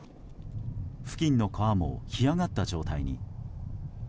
付近の川も干上がった状態に。